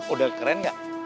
udah keren enggak